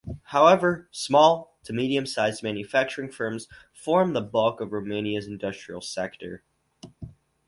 However, small- to medium-sized manufacturing firms form the bulk of Romania's industrial sector.